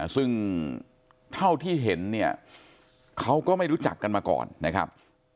ซึ่งเท่าที่เห็นเนี่ยเขาก็ไม่รู้จักกันมาก่อนนะครับ